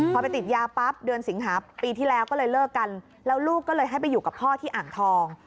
พอไปติดยาปั๊บเดือนสิงหาปีที่แล้วก็เลยเลิกกันแล้วลูกก็เลยให้ไปอยู่กับพ่อที่อ่างทอง